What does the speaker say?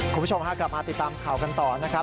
คุณผู้ชมฮะกลับมาติดตามข่าวกันต่อนะครับ